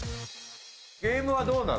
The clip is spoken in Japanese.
ゲームはどうなの？